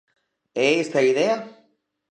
É esa a idea?